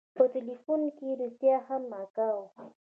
په ټېلفون کښې رښتيا هم اکا و.